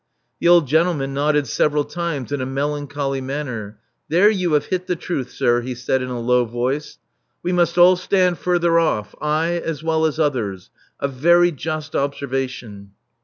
*' The old gentleman nodded several times in a melancholy manner. "There you have hit the truth, sir,*' he said in a low voice. We must all stand further off — I as well as others. A very just observation."